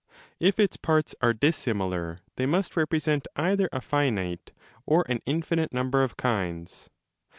If its parts are dissimilar, they must represent either a finite or an infinite number of kinds.